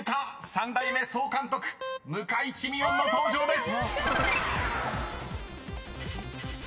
［３代目総監督向井地美音の登場です！］